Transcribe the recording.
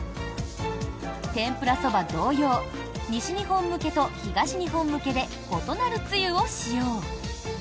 天ぷらそば同様西日本向けと東日本向けで異なるつゆを使用。